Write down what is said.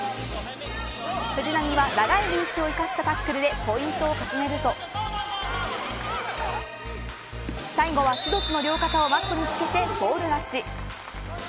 藤波は長いリーチを生かしたタックルでポイントを重ねると最後は志土地の両肩をマットにつけて、フォール勝ち。